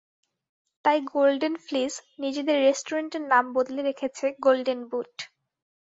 তাই golden fleece নিজেদের রেস্টুরেন্টের নাম বদলে রেখেছে গোল্ডেন বুট।